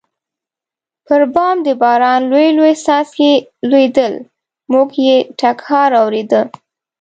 پر بام د باران لوی لوی څاڅکي لوېدل، موږ یې ټکهار اورېده.